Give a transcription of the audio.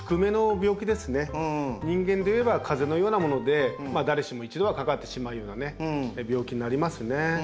人間でいえば風邪のようなもので誰しも一度はかかってしまうような病気になりますね。